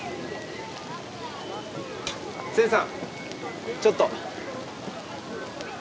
聖さんちょっと！